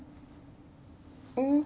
うん？